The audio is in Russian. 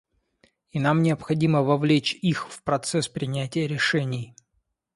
И нам необходимо вовлечь их в процесс принятия решений.